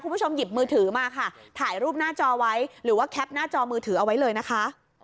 คุณผู้ชมหยิบมือถือมาค่ะถ่ายรูปหน้าจอไว้หรือว่าแคปหน้าจอมือถือเอาไว้เลยนะคะ